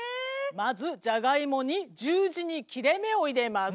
まずジャガイモに十字に切れ目を入れます。